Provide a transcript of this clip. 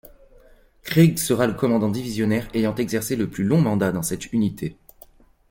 Creagh sera le commandant divisionnaire ayant exercé le plus long mandat dans cette unité.